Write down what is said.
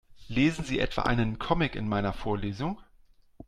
Lesen Sie etwa einen Comic in meiner Vorlesung?